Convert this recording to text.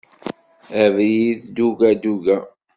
Abrid duga duga.